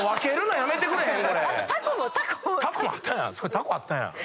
タコあったやん。